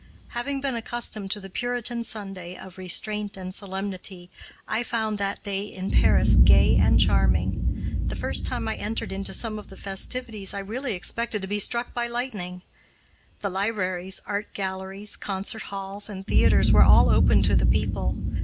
Having been accustomed to the Puritan Sunday of restraint and solemnity, I found that day in Paris gay and charming. The first time I entered into some of the festivities, I really expected to be struck by lightning. The libraries, art galleries, concert halls, and theaters were all open to the people.